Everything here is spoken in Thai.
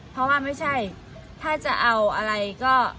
เพราะว่าไม่ใช่ถ้าจะเอาอะไรก็